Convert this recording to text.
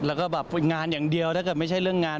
แล้วก็แบบงานอย่างเดียวถ้าเกิดไม่ใช่เรื่องงาน